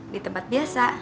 di tempat biasa